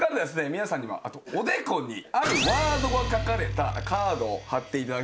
皆さんにはおでこにあるワードが書かれたカードを張っていただきます。